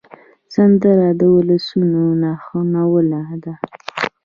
سندره د ولسونو نښلونه ده